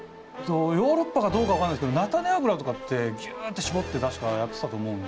ヨーロッパかどうか分かんないですけど菜種油とかってギュってしぼって確かやってたと思うんで。